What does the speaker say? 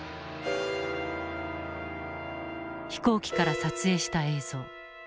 飛行機から撮影した映像。